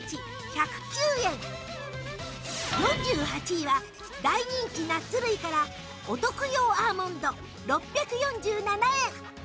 ４８位は大人気ナッツ類からお徳用アーモンド６４７円